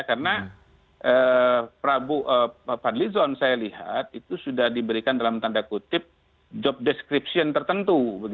karena prabowo fadlizon saya lihat itu sudah diberikan dalam tanda kutip job description tertentu